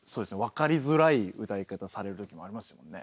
分かりづらい歌い方されるときもありますもんね。